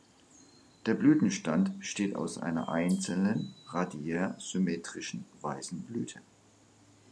Der Blütenstand besteht aus einer einzelnen, radiärsymmetrischen weißen Blüte.